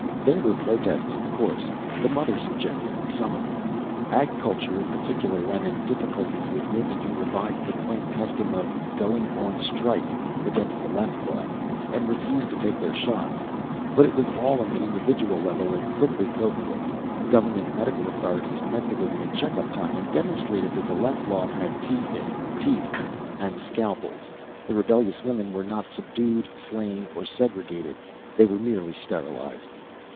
There were protests, of course. The mothers objected, some of them. Ag Culture, in particular, ran into difficulties with women who revived the quaint custom of "going on strike" against the Leff Law and refused to take their shots. But it was all on the individual level, and quickly coped with. Government medical authorities met the women at checkup time and demonstrated that the Leff Law had teeth in it. Teeth, and scalpels. The rebellious women were not subdued, slain, or segregated they were merely sterilized.